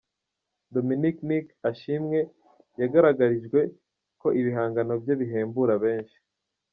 Dominic Nic Ashimwe yagaragarijwe ko ibihangano bye bihembura benshi.